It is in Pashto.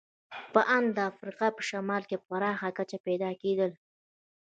په ان د افریقا په شمال کې په پراخه کچه پیدا کېدل.